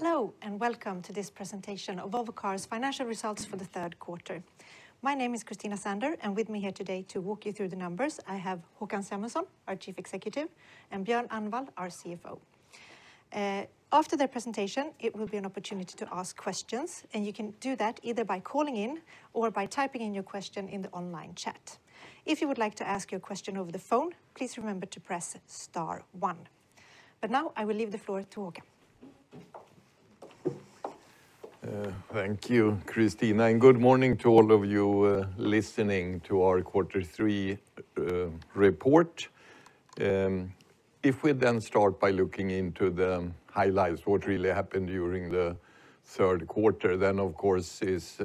Hello, and welcome to this presentation of Volvo Cars Financial Results for The third quarter. My name is Christina Sander, and with me here today to walk you through the numbers, I have Håkan Samuelsson, our Chief Executive, and Björn Annwall, our CFO. After their presentation, it will be an opportunity to ask questions, and you can do that either by calling in or by typing in your question in the online chat. If you would like to ask your question over the phone, please remember to press star one. Now I will leave the floor to Håkan. Thank you, Christina, and good morning to all of you listening to our quarter three report. If we then start by looking into the highlights, what really happened during the third quarter, then, of course, is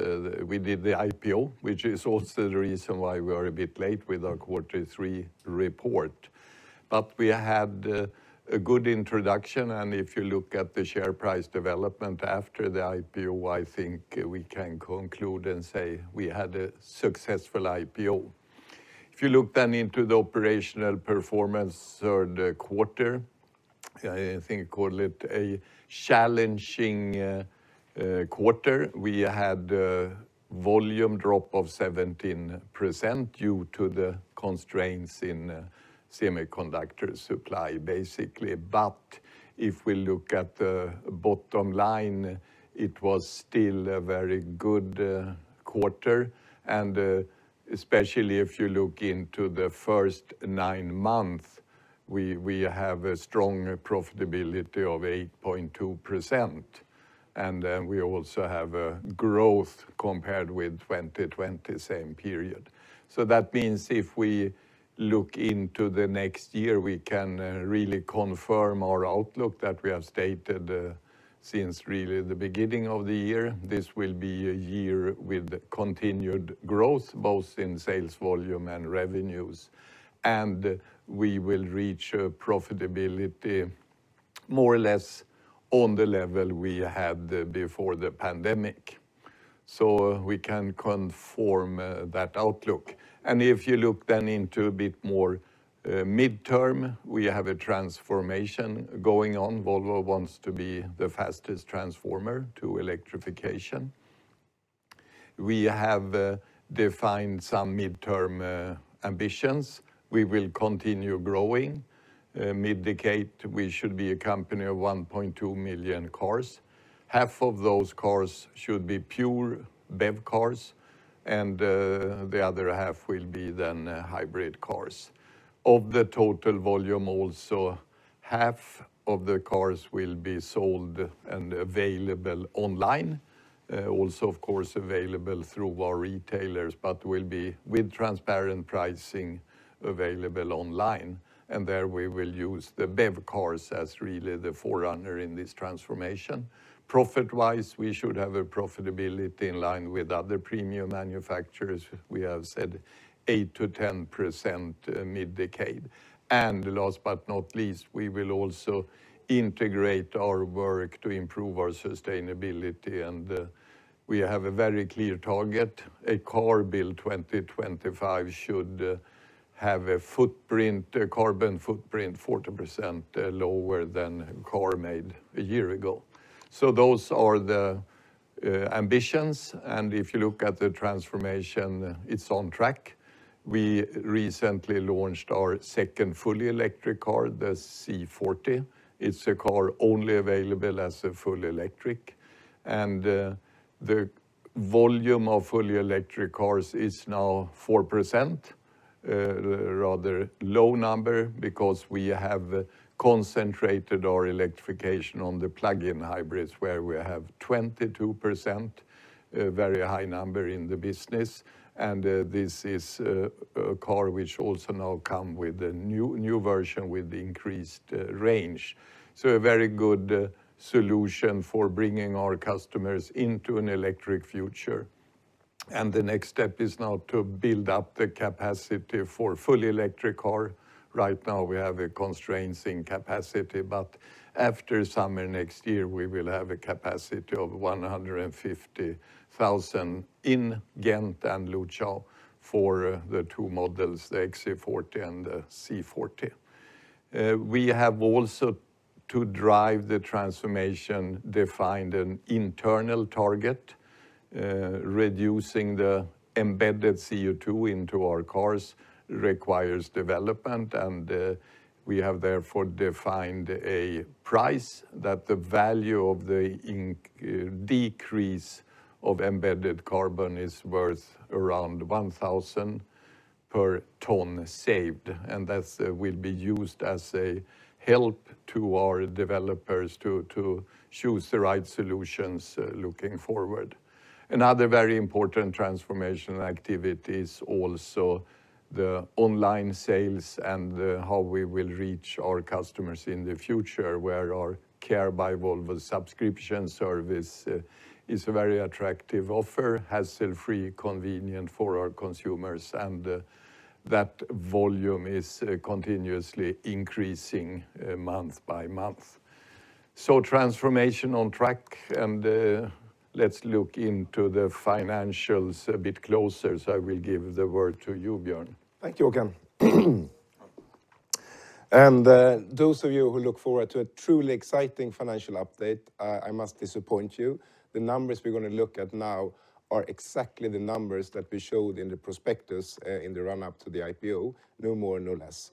we did the IPO, which is also the reason why we are a bit late with our quarter three report. We had a good introduction, and if you look at the share price development after the IPO, I think we can conclude and say we had a successful IPO. If you look then into the operational performance third quarter, I think call it a challenging quarter. We had volume drop of 17% due to the constraints in semiconductor supply, basically. If we look at the bottom line, it was still a very good quarter, and especially if you look into the first nine months, we have a strong profitability of 8.2%, and we also have a growth compared with 2020 same period. That means if we look into the next year, we can really confirm our outlook that we have stated since really the beginning of the year. This will be a year with continued growth, both in sales volume and revenues, and we will reach profitability more or less on the level we had before the pandemic. We can confirm that outlook. If you look then into a bit more mid-term, we have a transformation going on. Volvo wants to be the fastest transformer to electrification. We have defined some mid-term ambitions. We will continue growing. Mid-decade, we should be a company of 1.2 million cars. Half of those cars should be pure BEV cars, and the other half will be then hybrid cars. Of the total volume also, half of the cars will be sold and available online, also of course available through our retailers, but will be with transparent pricing available online. There we will use the BEV cars as really the forerunner in this transformation. Profit-wise, we should have a profitability in line with other premium manufacturers. We have said 8% to 10% mid-decade. Last but not least, we will also integrate our work to improve our sustainability, and we have a very clear target. A car built 2025 should have a footprint, a carbon footprint 40% lower than a car made a year ago. Those are the ambitions. If you look at the transformation, it's on track. We recently launched our second fully electric car, the C40. It's a car only available as a full electric. The volume of fully electric cars is now 4%. Rather low number because we have concentrated our electrification on the plug-in hybrids, where we have 22%, a very high number in the business. This is a car which also now come with a new version with increased range. A very good solution for bringing our customers into an electric future. The next step is now to build up the capacity for fully electric car. Right now, we have constraints in capacity, but after summer next year, we will have a capacity of 150,000 in Ghent and Luqiao for the two models, the XC40 and the C40. We also have to drive the transformation. We defined an internal target. Reducing the embedded CO2 into our cars requires development, and we have therefore defined a price that the value of the decrease of embedded carbon is worth around 1,000 per ton saved. That will be used as a help to our developers to choose the right solutions looking forward. Another very important transformation activity is also the online sales and, how we will reach our customers in the future, where our Care by Volvo subscription service is a very attractive offer, hassle-free, convenient for our consumers, and, that volume is continuously increasing, month by month. Transformation on track and. Let's look into the financials a bit closer. I will give the word to you, Björn. Thank you, Håkan. Those of you who look forward to a truly exciting financial update, I must disappoint you. The numbers we're gonna look at now are exactly the numbers that we showed in the prospectus, in the run-up to the IPO. No more, no less.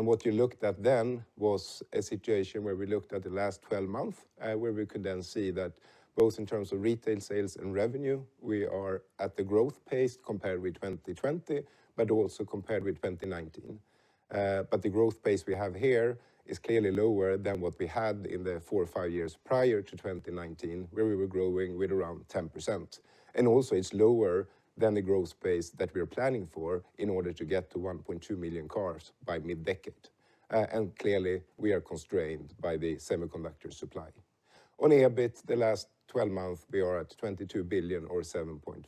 What you looked at then was a situation where we looked at the last 12 months, where we could then see that both in terms of retail sales and revenue, we are at the growth pace compared with 2020, but also compared with 2019. The growth pace we have here is clearly lower than what we had in the four or five years prior to 2019, where we were growing with around 10%. Also it's lower than the growth pace that we are planning for in order to get to 1.2 million cars by mid-decade. Clearly, we are constrained by the semiconductor supply. On EBIT, the last 12 months, we are at 22 billion or 7.5%.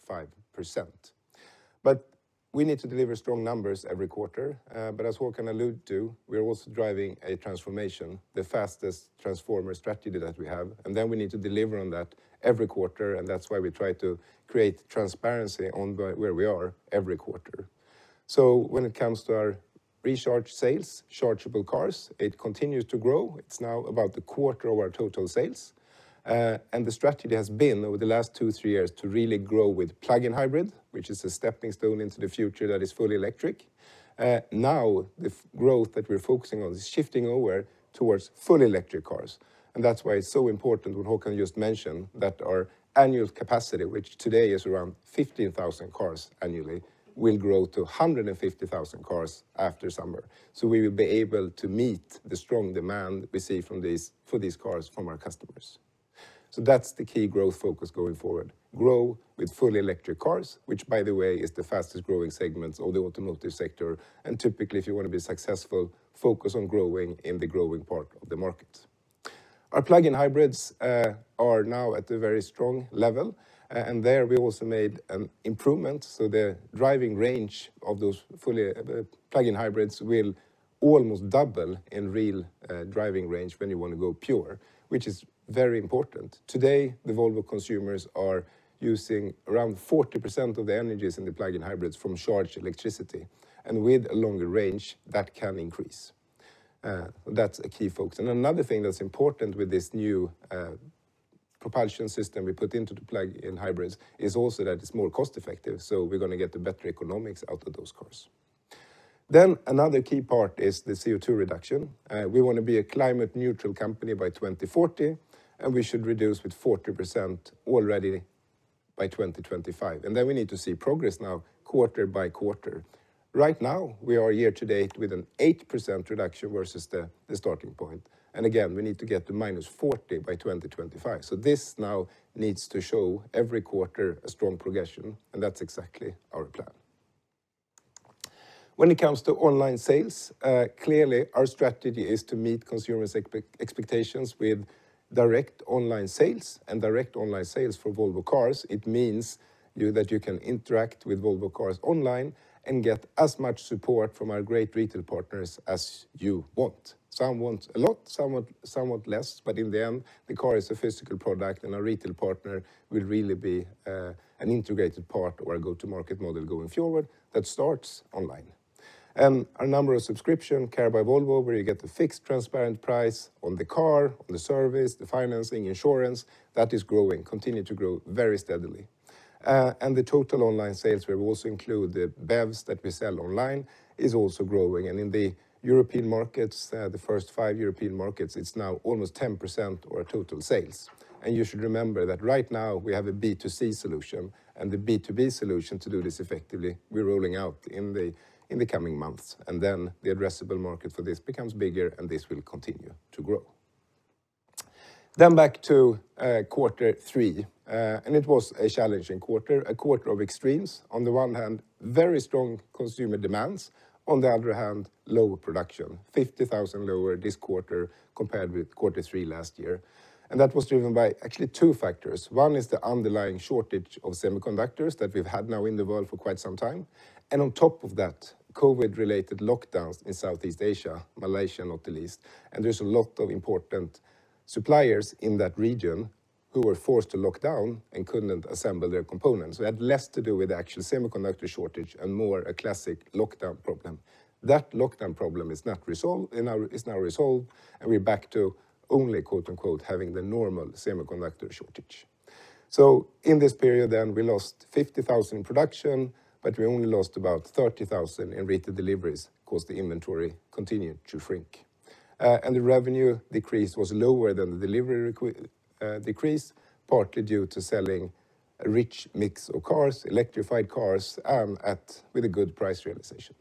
We need to deliver strong numbers every quarter. As Håkan alluded to, we are also driving a transformation, the fastest transformation strategy that we have, and then we need to deliver on that every quarter, and that's why we try to create transparency on where we are every quarter. When it comes to our Recharge sales, Recharge cars, it continues to grow. It's now about a quarter of our total sales. The strategy has been, over the last two, three years, to really grow with plug-in hybrid, which is a stepping stone into the future that is fully electric. Now, the growth that we're focusing on is shifting over towards fully electric cars, and that's why it's so important what Håkan just mentioned, that our annual capacity, which today is around 15,000 cars annually, will grow to 150,000 cars after summer. We will be able to meet the strong demand we see for these cars from our customers. That's the key growth focus going forward, grow with fully electric cars, which by the way, is the fastest-growing segment of the automotive sector. Typically, if you wanna be successful, focus on growing in the growing part of the market. Our plug-in hybrids are now at a very strong level. There we also made improvements, so the driving range of those fully plug-in hybrids will almost double in real driving range when you wanna go pure, which is very important. Today, the Volvo consumers are using around 40% of the energy in the plug-in hybrids from charged electricity, and with a longer range, that can increase. That's a key focus. Another thing that's important with this new propulsion system we put into the plug-in hybrids is also that it's more cost-effective, so we're gonna get the better economics out of those cars. Another key part is the CO2 reduction. We wanna be a climate-neutral company by 2040, and we should reduce with 40% already by 2025. We need to see progress now quarter-by-quarter. Right now, we are here today with an 8% reduction versus the starting point. Again, we need to get to -40% by 2025. This now needs to show every quarter a strong progression, and that's exactly our plan. When it comes to online sales, clearly, our strategy is to meet consumers expectations with direct online sales. Direct online sales for Volvo Cars, it means that you can interact with Volvo Cars online and get as much support from our great retail partners as you want. Some want a lot, some want somewhat less, but in the end, the car is a physical product and our retail partner will really be an integrated part of our go-to-market model going forward that starts online. Our number of subscription, Care by Volvo, where you get the fixed, transparent price on the car, on the service, the financing, insurance, that is growing, continue to grow very steadily. The total online sales will also include the BEVs that we sell online is also growing. In the European markets, the first five European markets, it's now almost 10% of our total sales. You should remember that right now we have a B2C solution, and the B2B solution to do this effectively, we're rolling out in the coming months. The addressable market for this becomes bigger, and this will continue to grow. Then back to quarter three. It was a challenging quarter, a quarter of extremes. On the one hand, very strong consumer demands. On the other hand, lower production, 50,000 lower this quarter compared with quarter three last year. That was driven by actually two factors. One is the underlying shortage of semiconductors that we've had now in the world for quite some time. On top of that, COVID-related lockdowns in Southeast Asia, Malaysia not the least. There's a lot of important suppliers in that region who were forced to lock down and couldn't assemble their components. It had less to do with the actual semiconductor shortage and more a classic lockdown problem. That lockdown problem is now resolved, and we're back to only, quote-unquote, "having the normal semiconductor shortage." In this period, we lost 50,000 in production, but we only lost about 30,000 in retail deliveries 'cause the inventory continued to shrink. The revenue decrease was lower than the delivery decrease, partly due to selling a rich mix of cars, electrified cars, with a good price realization.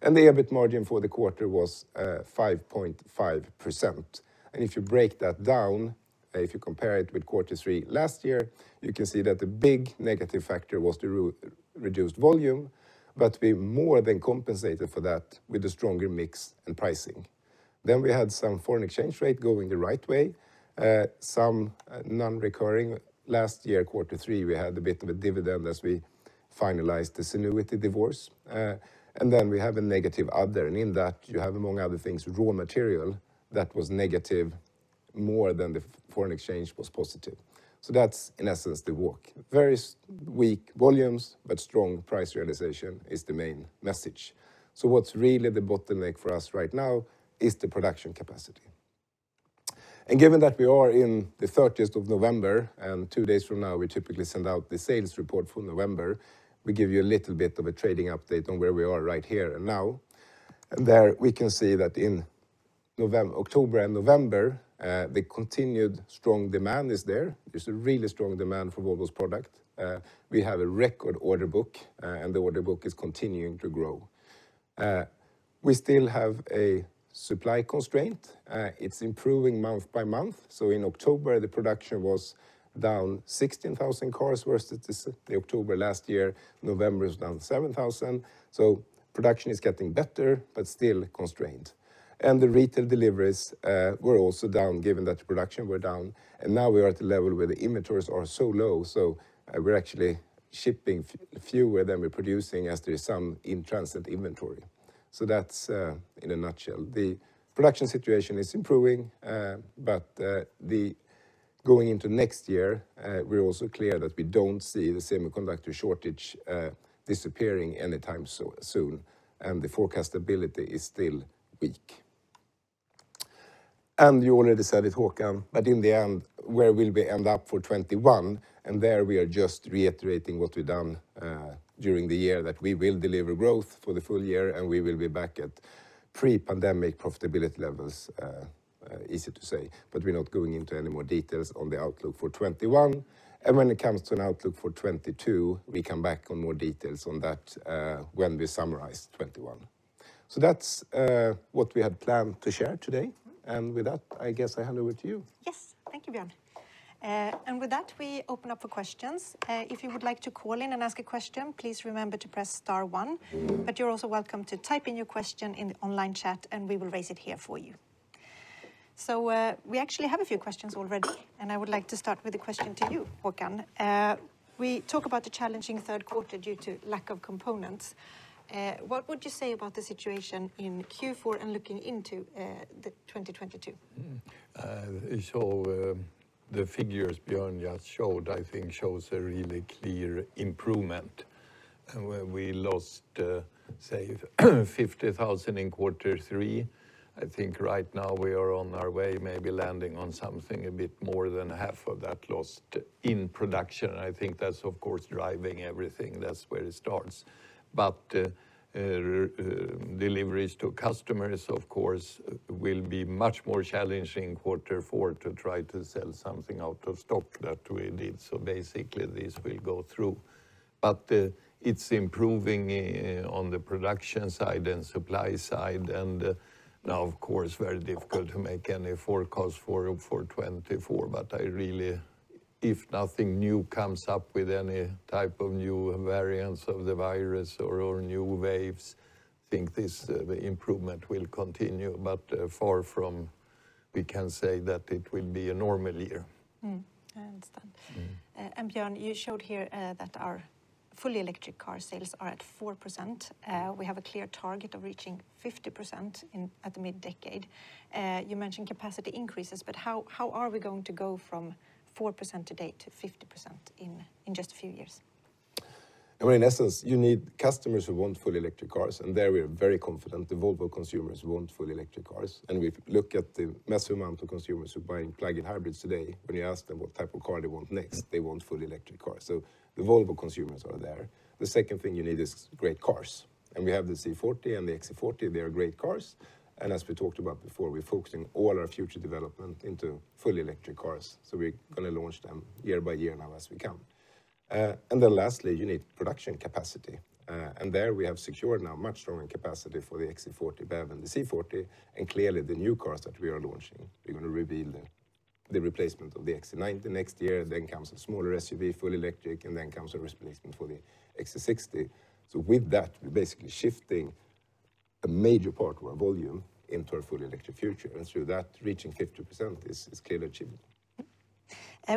The EBIT margin for the quarter was 5.5%. If you break that down, if you compare it with quarter three last year, you can see that the big negative factor was the reduced volume, but we more than compensated for that with the stronger mix and pricing. We had some foreign exchange rate going the right way, some non-recurring. Last year, quarter three, we had a bit of a dividend as we finalized the Zenuity divorce. We have a negative other, and in that, you have, among other things, raw material that was negative more than the foreign exchange was positive. That's, in essence, the work. Very weak volumes, but strong price realization is the main message. What's really the bottleneck for us right now is the production capacity. Given that we are in the 30th of November, and two days from now, we typically send out the sales report for November, we give you a little bit of a trading update on where we are right here and now. There, we can see that in October and November, the continued strong demand is there. There's a really strong demand for Volvo's product. We have a record order book, and the order book is continuing to grow. We still have a supply constraint. It's improving month by month. In October, the production was down 16,000 cars versus the October last year. November is down 7,000. Production is getting better but still constrained. The retail deliveries were also down, given that the production were down. Now we are at the level where the inventories are so low, so we're actually shipping fewer than we're producing as there is some in-transit inventory. That's in a nutshell. The production situation is improving, but going into next year, we're also clear that we don't see the semiconductor shortage disappearing anytime soon, and the forecast ability is still weak. You already said it, Håkan, but in the end, where will we end up for 2021? There we are just reiterating what we've done during the year, that we will deliver growth for the full year, and we will be back at pre-pandemic profitability levels. Easy to say, but we're not going into any more details on the outlook for 2021. When it comes to an outlook for 2022, we come back on more details on that, when we summarize 2021. That's what we had planned to share today. With that, I guess I hand over to you. Yes. Thank you, Björn. With that, we open up for questions. If you would like to call in and ask a question, please remember to press star one. You're also welcome to type in your question in the online chat, and we will raise it here for you. We actually have a few questions already, and I would like to start with a question to you, Håkan. We talk about the challenging third quarter due to lack of components. What would you say about the situation in Q4 and looking into 2022? The figures Björn just showed, I think, shows a really clear improvement. Where we lost, say, 50,000 in quarter three, I think right now we are on our way, maybe landing on something a bit more than half of that lost in production. I think that's, of course, driving everything. That's where it starts. Deliveries to customers, of course, will be much more challenging quarter four to try to sell something out of stock that we need. Basically, this will go through. It's improving on the production side and supply side. Now, of course, very difficult to make any forecast for 2024. I really, if nothing new comes up with any type of new variants of the virus or new waves, I think this, the improvement will continue. Far from we can say that it will be a normal year. I understand. Mm. Björn, you showed here that our fully electric car sales are at 4%. We have a clear target of reaching 50% in at the mid-decade. You mentioned capacity increases, but how are we going to go from 4% today to 50% in just a few years? I mean, in essence, you need customers who want fully electric cars, and there we are very confident. The Volvo consumers want fully electric cars. We've looked at the massive amount of consumers who are buying plug-in hybrids today. When you ask them what type of car they want next, they want fully electric cars. The Volvo consumers are there. The second thing you need is great cars. We have the C40 and the XC40. They are great cars. As we talked about before, we're focusing all our future development into fully electric cars. We're gonna launch them year by year now as we can. Lastly, you need production capacity. There we have secured now much stronger capacity for the XC40 BEV and the C40. Clearly, the new cars that we are launching, we're gonna reveal the replacement of the XC90 next year. A smaller SUV, fully electric, comes, and a replacement for the XC60 comes. With that, we're basically shifting a major part of our volume into a fully electric future. Through that, reaching 50% is clearly achievable.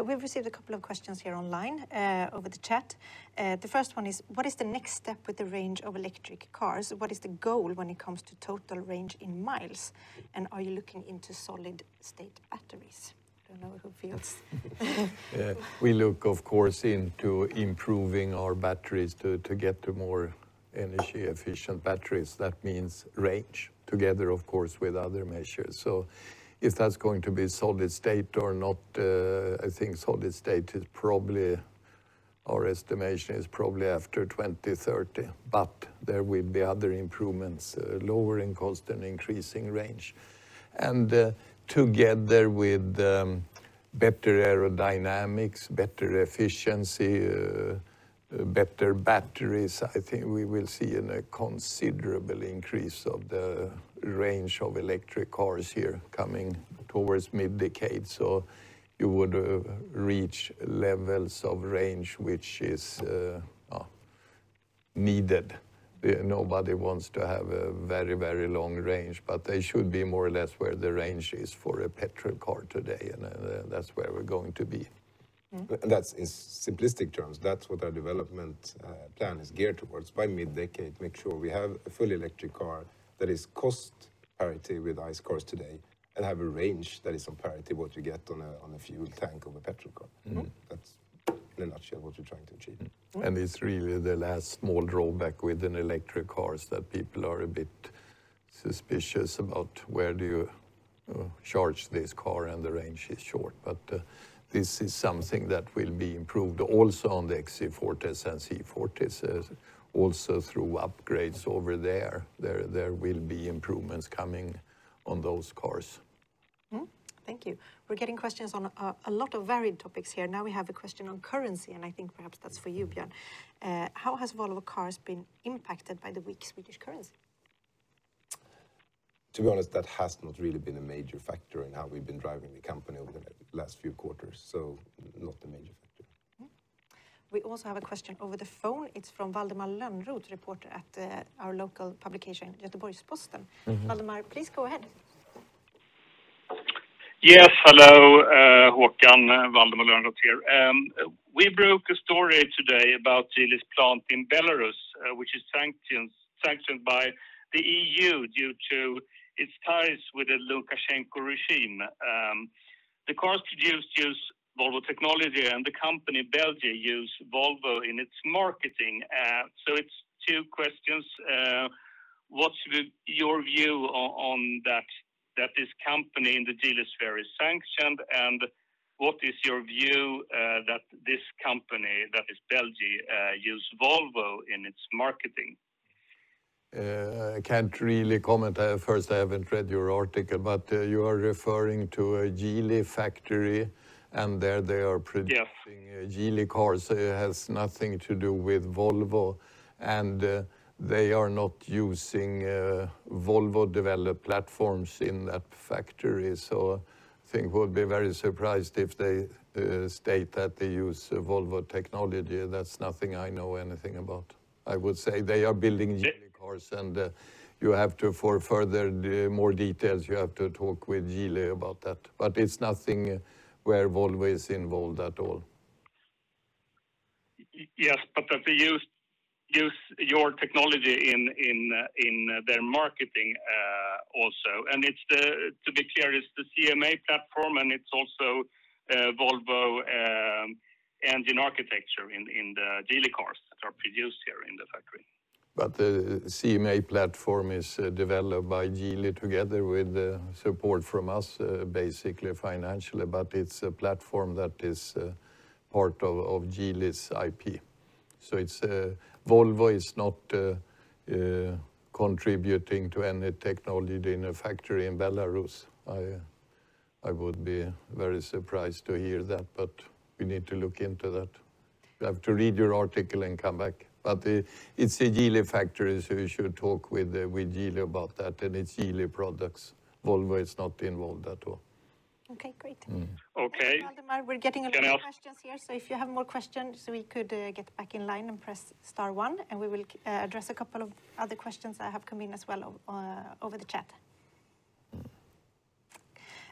We've received a couple of questions here online, over the chat. The first one is, what is the next step with the range of electric cars? What is the goal when it comes to total range in miles? And are you looking into solid-state batteries? Don't know who feels. Yeah. We look, of course, into improving our batteries to get to more energy-efficient batteries. That means range together, of course, with other measures. If that's going to be solid-state or not, I think solid-state is probably, our estimation is probably after 2030. There will be other improvements, lowering cost and increasing range. Together with better aerodynamics, better efficiency, better batteries, I think we will see a considerable increase of the range of electric cars in the coming towards mid-decade. You would reach levels of range, which is what's needed. Yeah, nobody wants to have a very, very long range, but they should be more or less where the range is for a petrol car today. That's where we're going to be. That's in simplistic terms. That's what our development plan is geared towards. By mid-decade, make sure we have a fully electric car that is cost parity with ICE cars today and have a range that is on parity with what you get on a fuel tank of a petrol car. Mm-hmm. That's in a nutshell what we're trying to achieve. It's really the last small drawback with an electric car is that people are a bit suspicious about where do you charge this car and the range is short. This is something that will be improved also on the XC40s and C40s, also through upgrades over there. There will be improvements coming on those cars. Thank you. We're getting questions on a lot of varied topics here. Now we have a question on currency, and I think perhaps that's for you, Björn. How has Volvo Cars been impacted by the weak Swedish currency? To be honest, that has not really been a major factor in how we've been driving the company over the last few quarters, so not a major factor. We also have a question over the phone. It's from Valdemar Lönnroth, reporter at our local publication, Göteborgs-Posten. Mm-hmm. Valdemar, please go ahead. Yes. Hello, Håkan. Valdemar Lönnroth here. We broke a story today about Geely's plant in Belarus, which is sanctioned by the EU due to its ties with the Lukashenko regime. The cars produced use Volvo technology and the company BelGee use Volvo in its marketing. It's two questions. What's your view on that this company and the deal is very sanctioned? And what is your view, that this company, that is BelGee, use Volvo in its marketing? I can't really comment. First, I haven't read your article. You are referring to a Geely factory, and there they are producing- Yes Geely cars. It has nothing to do with Volvo, and they are not using Volvo-developed platforms in that factory. I think we'll be very surprised if they state that they use Volvo technology. That's nothing I know anything about. I would say they are building- Yeah Geely cars, for further, more details, you have to talk with Geely about that. It's nothing where Volvo is involved at all. Yes, but they use your technology in their marketing also. To be clear, it's the CMA platform and it's also Volvo engine architecture in the Geely cars that are produced here in the factory. The CMA platform is developed by Geely together with support from us basically financially. It's a platform that is part of Geely's IP. Volvo is not contributing to any technology in a factory in Belarus. I would be very surprised to hear that, but we need to look into that. We have to read your article and come back. It's a Geely factory, so you should talk with Geely about that, and it's Geely products. Volvo is not involved at all. Okay, great. Mm-hmm. Okay. Thank you, Valdemar. We're getting a lot of questions here, so if you have more questions, we could get back in line and press star one, and we will address a couple of other questions that have come in as well over the chat.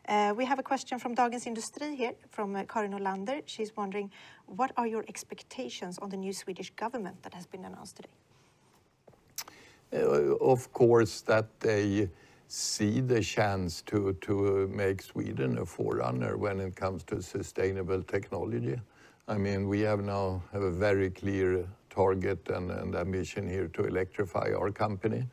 We have a question from Dagens Industri here, from Karin Olander. She's wondering, what are your expectations on the new Swedish government that has been announced today? Of course, that they see the chance to make Sweden a forerunner when it comes to sustainable technology. I mean, we have now a very clear target and a mission here to electrify our company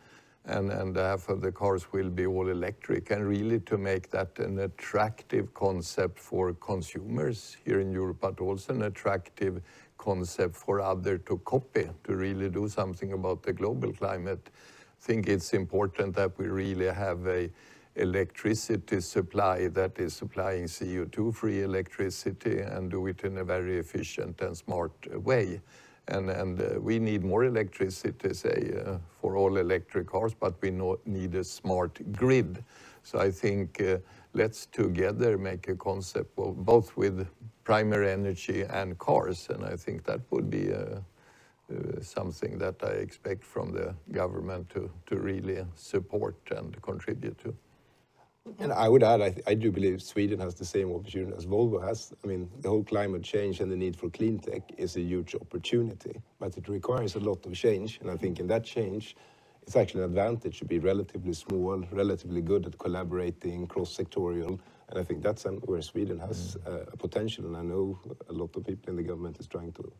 and half of the cars will be all electric. Really to make that an attractive concept for consumers here in Europe, but also an attractive concept for others to copy, to really do something about the global climate. I think it's important that we really have an electricity supply that is supplying CO2-free electricity and do it in a very efficient and smart way. We need more electricity, say, for all electric cars, but we need a smart grid. I think, let's together make a concept both with primary energy and cars, and I think that would be something that I expect from the government to really support and contribute to. I would add, I do believe Sweden has the same opportunity as Volvo has. I mean, the whole climate change and the need for clean tech is a huge opportunity, but it requires a lot of change. I think in that change, it's actually an advantage to be relatively small and relatively good at collaborating cross-sectorial, and I think that's where Sweden has a potential. I know a lot of people in the government is trying to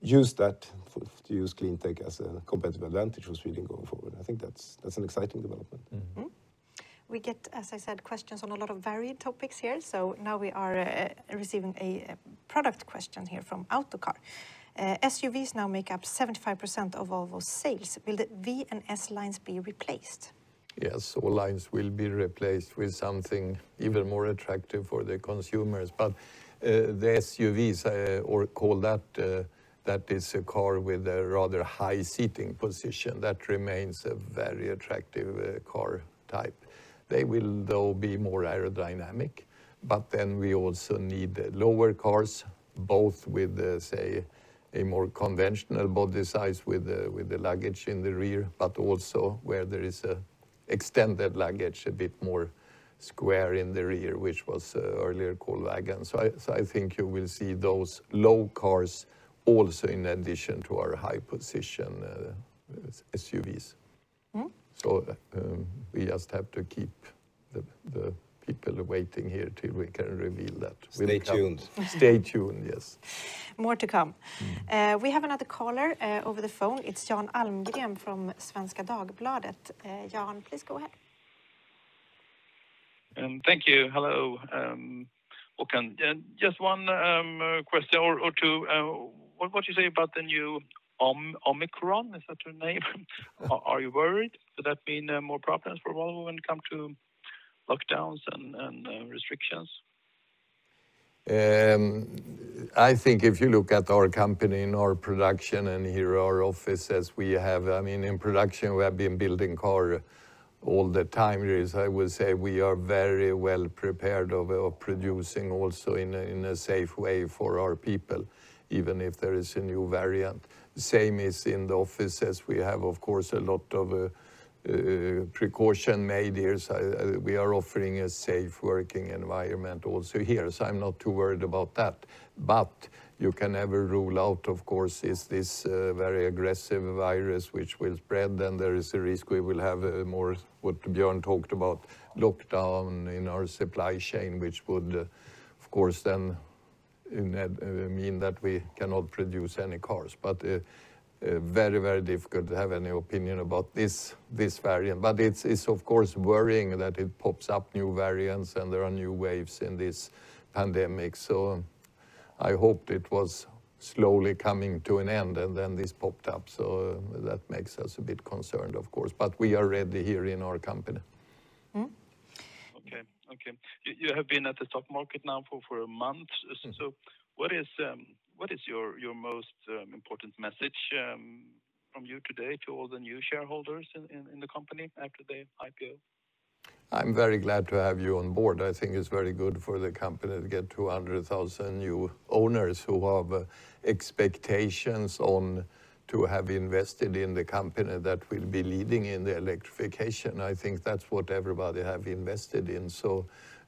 use that to use clean tech as a competitive advantage for Sweden going forward. I think that's an exciting development. Mm-hmm. We get, as I said, questions on a lot of varied topics here. Now we are receiving a product question here from Autocar. SUVs now make up 75% of Volvo sales. Will the V and S lines be replaced? Yes. All lines will be replaced with something even more attractive for the consumers. The SUVs, that is a car with a rather high seating position, that remains a very attractive car type. They will, though, be more aerodynamic, but then we also need lower cars, both with, say, a more conventional body size with the luggage in the rear, but also where there is an extended luggage a bit more square in the rear, which was earlier called wagon. I think you will see those low cars also in addition to our high position SUVs. Mm-hmm. We just have to keep the people waiting here till we can reveal that. Stay tuned. Stay tuned, yes. More to come. We have another caller over the phone. It's Jan Almgren from Svenska Dagbladet. Jan, please go ahead. Thank you. Hello, Håkan. Just one question or two. What do you say about the new Omicron? Is that the name? Are you worried? Will that mean more problems for Volvo when it come to lockdowns and restrictions? I think if you look at our company and our production, and here our office as we have, I mean, in production, we have been building cars all the time. Yes, I will say we are very well prepared for producing also in a safe way for our people, even if there is a new variant. Same is in the offices. We have, of course, a lot of precaution made here. We are offering a safe working environment also here. I'm not too worried about that. You can never rule out, of course, is this very aggressive virus which will spread, then there is a risk we will have more what Björn talked about, lockdown in our supply chain, which would, of course, then mean that we cannot produce any cars. Very difficult to have any opinion about this variant. It's of course worrying that it pops up new variants and there are new waves in this pandemic. I hoped it was slowly coming to an end, and then this popped up. That makes us a bit concerned, of course. We are ready here in our company. Mm-hmm. Okay. You have been at the stock market now for a month. What is your most important message from you today to all the new shareholders in the company after the IPO? I'm very glad to have you on board. I think it's very good for the company to get 200,000 new owners who have expectations on to have invested in the company that will be leading in the electrification. I think that's what everybody have invested in.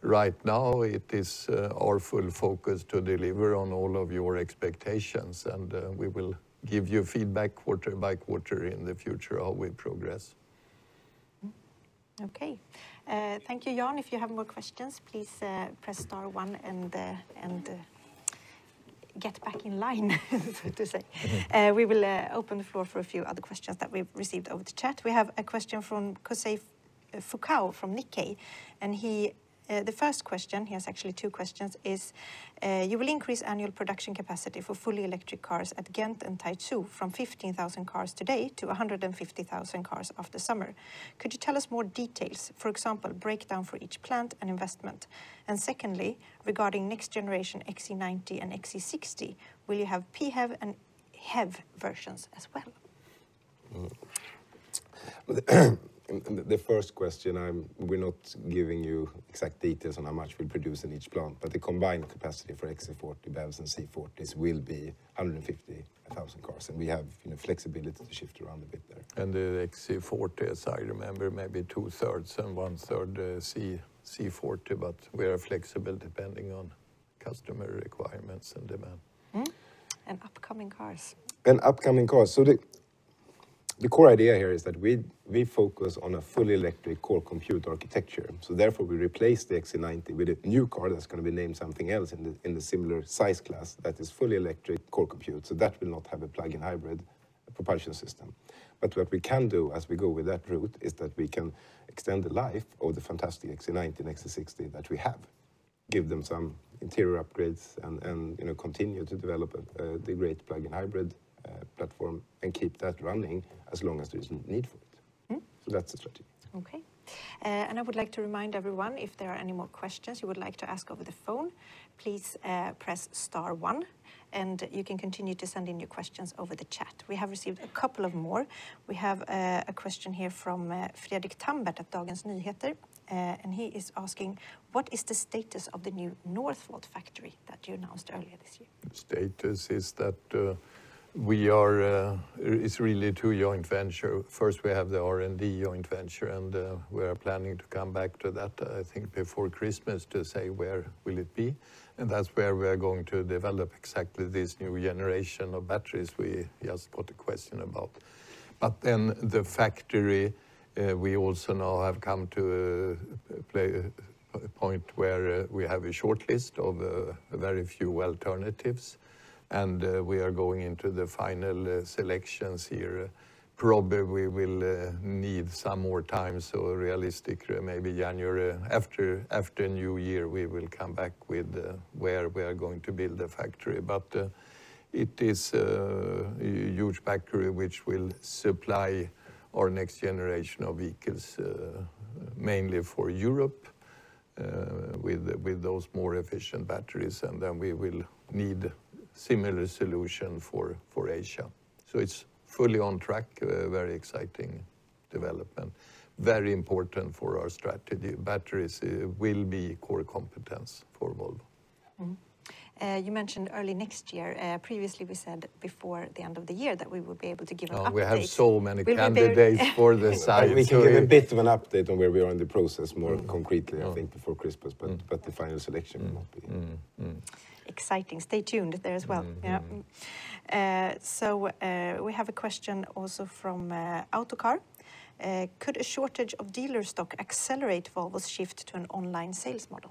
Right now it is, our full focus to deliver on all of your expectations, and, we will give you feedback quarter by quarter in the future how we progress. Thank you, Jan. If you have more questions, please press star one and get back in line, so to say. We will open the floor for a few other questions that we've received over the chat. We have a question from Kosei Fukao from Nikkei, and he actually has two questions. The first question is you will increase annual production capacity for fully electric cars at Ghent and Taizhou from 15,000 cars today to 150,000 cars after summer. Could you tell us more details? For example, breakdown for each plant and investment. And secondly, regarding next generation XC90 and XC60, will you have PHEV and HEV versions as well? The first question, we're not giving you exact details on how much we produce in each plant, but the combined capacity for XC40, BEVs, and C40s will be 150,000 cars, and we have, you know, flexibility to shift around a bit there. The XC40, as I remember, maybe two-thirds and one-third, C, C40, but we are flexible depending on customer requirements and demand. Upcoming cars. Upcoming cars. The core idea here is that we focus on a fully electric core compute architecture. Therefore, we replace the XC90 with a new car that's gonna be named something else in the similar size class that is fully electric core compute. That will not have a plug-in hybrid propulsion system. What we can do as we go with that route is that we can extend the life of the fantastic XC90 and XC60 that we have, give them some interior upgrades and, you know, continue to develop the great plug-in hybrid platform and keep that running as long as there is need for it. Mm-hmm. That's the strategy. Okay. I would like to remind everyone, if there are any more questions you would like to ask over the phone, please, press star one, and you can continue to send in your questions over the chat. We have received a couple of more. We have a question here from Fredrik Thambert at Dagens Nyheter, and he is asking, what is the status of the new Northvolt factory that you announced earlier this year? Status is that we are. It's really two joint venture. First, we have the R&D joint venture, and we are planning to come back to that, I think, before Christmas to say where it will be. That's where we are going to develop exactly this new generation of batteries we just got a question about. Then the factory, we also now have come to a place, a point where we have a shortlist of very few alternatives, and we are going into the final selections here. Probably we will need some more time, so realistic maybe January. After New Year, we will come back with where we are going to build the factory. It is a huge factory which will supply our next generation of vehicles, mainly for Europe, with those more efficient batteries, and then we will need similar solution for Asia. It's fully on track, a very exciting development, very important for our strategy. Batteries will be core competence for Volvo. You mentioned early next year. Previously, we said before the end of the year that we would be able to give an update. Oh, we have so many candidates- Will there be- for the site. We can give a bit of an update on where we are in the process more concretely, I think, before Christmas, but the final selection won't be. Mm-hmm. Exciting. Stay tuned there as well. Mm-hmm. Yeah. We have a question also from Autocar. Could a shortage of dealer stock accelerate Volvo's shift to an online sales model?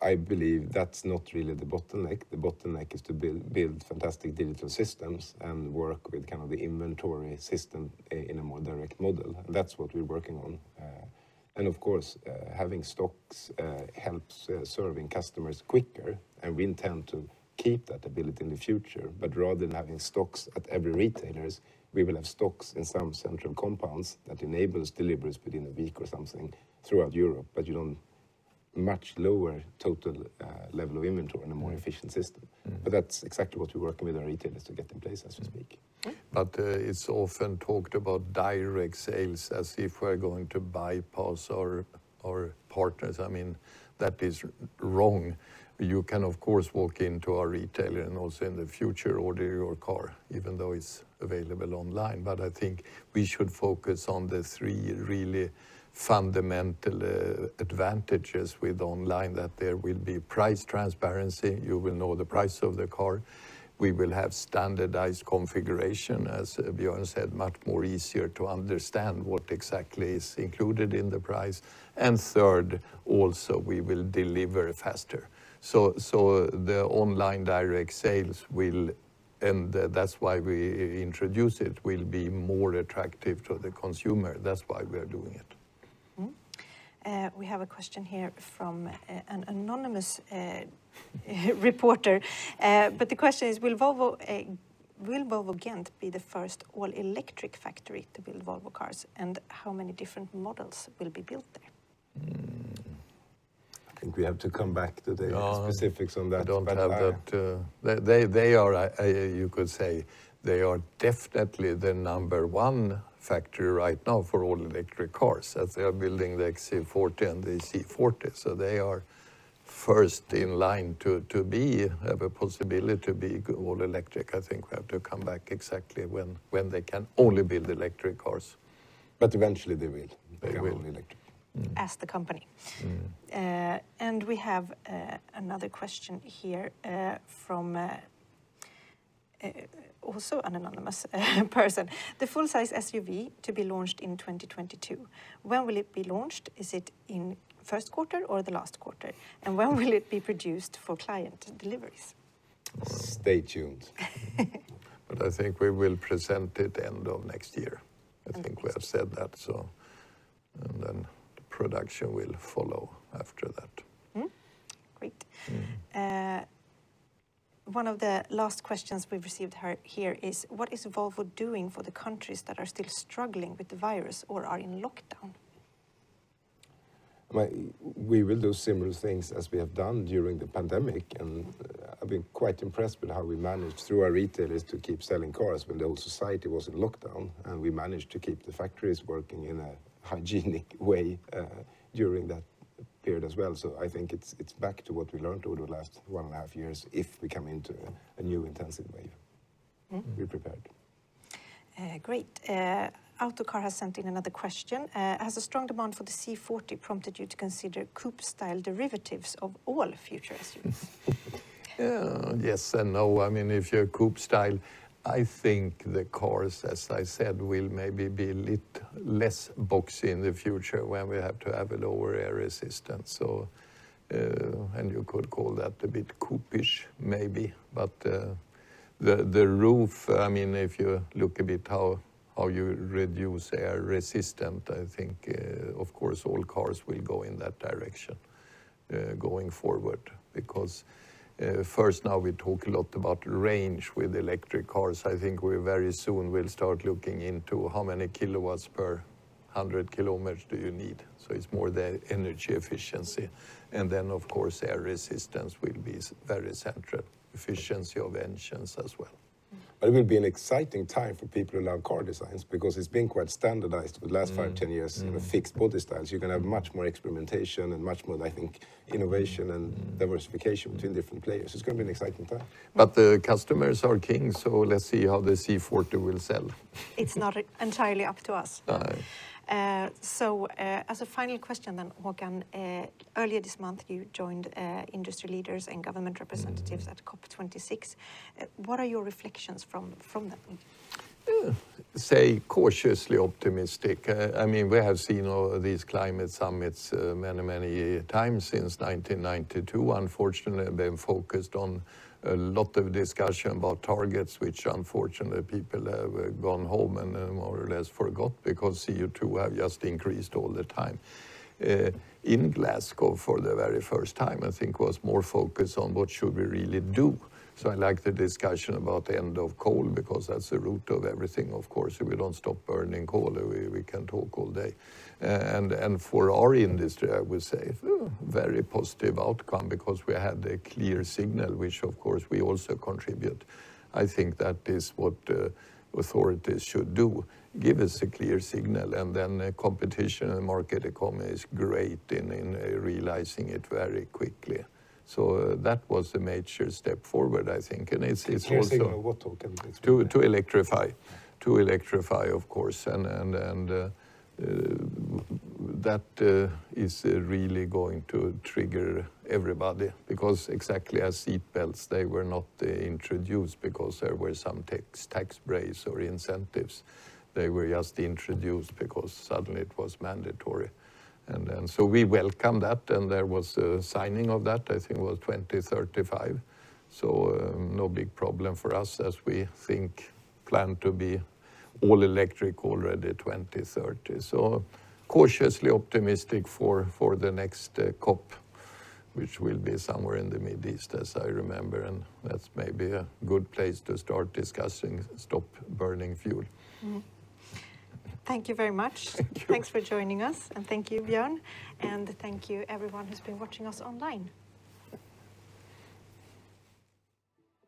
I believe that's not really the bottleneck. The bottleneck is to build fantastic digital systems and work with kind of the inventory system in a more direct model. That's what we're working on. Of course, having stocks helps serving customers quicker, and we intend to keep that ability in the future. Rather than having stocks at every retailers, we will have stocks in some central compounds that enables deliveries within a week or something throughout Europe. Much lower total level of inventory and a more efficient system. That's exactly what we're working with our retailers to get in place as we speak. Mm-hmm. It's often talked about direct sales as if we're going to bypass our partners. I mean, that is wrong. You can, of course, walk into a retailer and also in the future order your car, even though it's available online. I think we should focus on the three really fundamental advantages with online, that there will be price transparency. You will know the price of the car. We will have standardized configuration, as Björn said, much more easier to understand what exactly is included in the price. Third, also, we will deliver faster. The online direct sales will, and that's why we introduce it, will be more attractive to the consumer. That's why we are doing it. We have a question here from an anonymous reporter. The question is, will Volvo Gent be the first all-electric factory to build Volvo cars, and how many different models will be built there? I think we have to come back to the. No specifics on that. I don't have that. They are definitely the number one factory right now for all-electric cars, as they are building the XC40 and the C40. They are first in line to have a possibility to be all electric. I think we have to come back exactly when they can only build electric cars. Eventually they will. They will. Be all electric. Ask the company. Mm-hmm. We have another question here from also an anonymous person. The full-size SUV to be launched in 2022, when will it be launched? Is it in first quarter or the last quarter? And when will it be produced for client deliveries? Well. Stay tuned. I think we will present it end of next year. Okay. I think we have said that. The production will follow after that. Mm-hmm. Great. One of the last questions we've received here is, what is Volvo doing for the countries that are still struggling with the virus or are in lockdown? Well, we will do similar things as we have done during the pandemic, and I've been quite impressed with how we managed through our retailers to keep selling cars when the whole society was in lockdown. We managed to keep the factories working in a hygienic way during that period as well. I think it's back to what we learned over the last one and a half years if we come into a new intensive wave. Mm-hmm. We're prepared. Great. Autocar has sent in another question. Has a strong demand for the C40 prompted you to consider coupe style derivatives of all future SUVs? Yes and no. I mean, if you're coupe style, I think the cars, as I said, will maybe be a little less boxy in the future when we have to have a lower air resistance. You could call that a bit coupe-ish maybe. The roof, I mean, if you look a bit how you reduce air resistance, I think, of course, all cars will go in that direction going forward. First now we talk a lot about range with electric cars. I think we very soon will start looking into how many kilowatts per 100 kilometers do you need. It's more the energy efficiency. Then, of course, air resistance will be very central, efficiency of engines as well. It will be an exciting time for people who love car designs because it's been quite standardized for the last five, 10 years. Mm-hmm. with fixed body styles. You're gonna have much more experimentation and much more, I think, innovation and diversification between different players. It's gonna be an exciting time. The customers are king, so let's see how the C40 will sell. It's not entirely up to us. No. As a final question then, Håkan, earlier this month, you joined industry leaders and government representatives at COP26. What are your reflections from that meeting? I'm cautiously optimistic. I mean, we have seen all these climate summits many, many times since 1992. Unfortunately, it's been focused on a lot of discussion about targets, which unfortunately people have gone home and more or less forgot because CO2 have just increased all the time. In Glasgow, for the very first time, I think there was more focus on what should we really do. I like the discussion about the end of coal because that's the root of everything, of course. If we don't stop burning coal, we can talk all day. For our industry, I would say very positive outcome because we had a clear signal, which of course we also contribute. I think that is what authorities should do. Give us a clear signal, and then competition and market economy is great in realizing it very quickly. That was a major step forward, I think. It's also- Hearing what talking- To electrify, of course. That is really going to trigger everybody because exactly as seat belts, they were not introduced because there were some tax breaks or incentives. They were just introduced because suddenly it was mandatory. We welcome that, and there was a signing of that, I think it was 2035. No big problem for us as we plan to be all electric already 2030. Cautiously optimistic for the next COP, which will be somewhere in the Middle East, as I remember. That's maybe a good place to start discussing stop burning fuel. Thank you very much. Thank you. Thanks for joining us. Thank you, Björn. Thank you everyone who's been watching us online.